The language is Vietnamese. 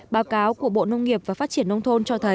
báo cáo của bộ nông nghiệp và phát triển nông thôn cho thấy